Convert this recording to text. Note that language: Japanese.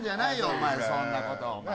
お前そんなことお前